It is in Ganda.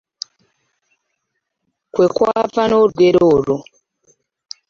Kwe kwava n'olugero olwo.